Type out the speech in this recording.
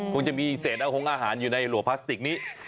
คงจะมีเศษอาหงอาหารอยู่ในหลัวพลาสติกนี้